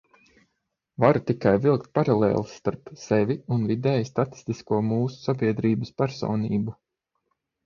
Varu tikai vilkt paralēles starp sevi un vidēji statistisko mūsu sabiedrības personību.